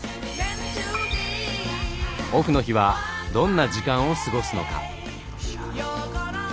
オフの日はどんな時間を過ごすのか？